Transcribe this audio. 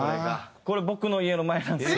これ僕の家の前なんですよ。